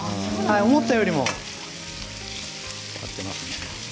思ったよりも使っていますね。